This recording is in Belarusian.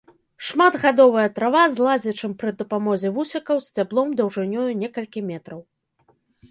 Шматгадовая трава з лазячым пры дапамозе вусікаў сцяблом даўжынёю некалькі метраў.